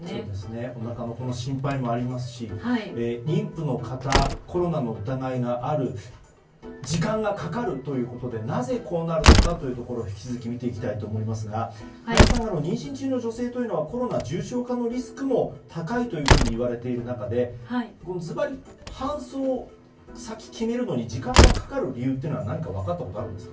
おなかの子の心配もありますし妊婦の方、コロナの疑いがある時間がかかるということでなぜこうなるのかを引き続き見ていきたいと思いますが林さん、妊娠中の女性というのはコロナ重症化のリスクも高いといわれている中でずばり、搬送先決めるのに時間がかかる理由は分かったことがあるんですか？